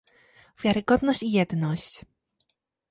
wiarygodność i jedność